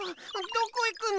どこいくの？